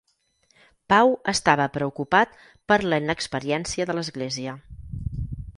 Pau estava preocupat per la inexperiència de l'Església.